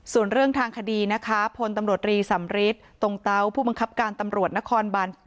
ส่วนเรื่องทางคดีนะคะพลตำรวจรีสำริทตรงเตาผู้บังคับการตำรวจนครบาน๘